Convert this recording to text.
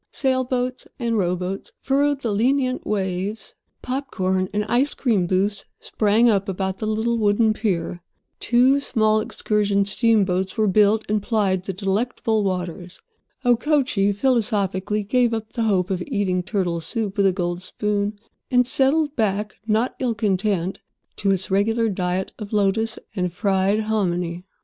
Sailboats and rowboats furrowed the lenient waves, popcorn and ice cream booths sprang up about the little wooden pier. Two small excursion steamboats were built, and plied the delectable waters. Okochee philosophically gave up the hope of eating turtle soup with a gold spoon, and settled back, not ill content, to its regular diet of lotus and fried hominy.